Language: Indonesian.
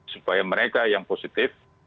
supaya mereka yang positif